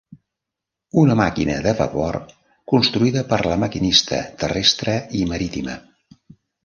Una màquina de vapor construïda per la Maquinista Terrestre i Marítima.